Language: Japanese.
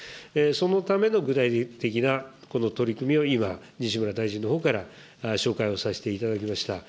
そのための具体的なこの取り組みを今、西村大臣のほうから紹介をさせていただきました。